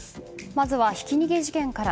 まずは、ひき逃げ事件から。